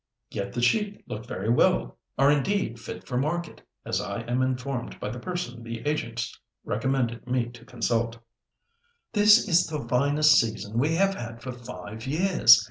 "Yet the sheep look very well—are indeed fit for market—as I am informed by the person the agents recommended me to consult." "This is the finest season we have had for five years.